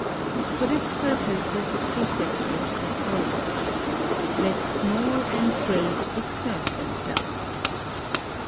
For this purpose has the precept been composed :—" Let small and great exert themselves."